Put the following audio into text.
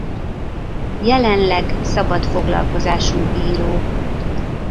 Jelenleg szabadfoglalkozású író.